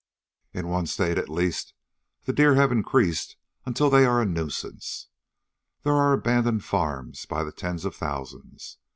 In one state, at least, the deer have increased until they are a nuisance. There are abandoned farms by the tens of thousands.